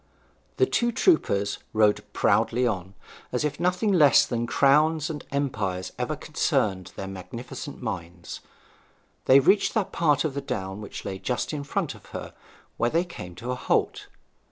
The two troopers rode proudly on, as if nothing less than crowns and empires ever concerned their magnificent minds. They reached that part of the down which lay just in front of her, where they came to a halt.